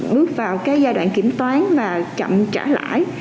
bước vào giai đoạn kiểm toán và chậm trả lãi